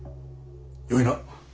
よいな？